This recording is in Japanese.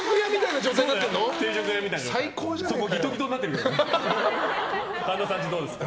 そこギトギトになってるけどね。